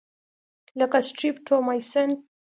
لکه سټریپټومایسین.